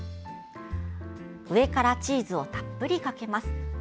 上からチーズをたっぷりかけます。